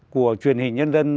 của truyền hình nhân dân